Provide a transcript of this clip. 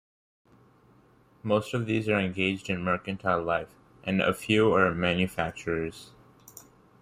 Most of these are engaged in mercantile life, and a few are manufacturers.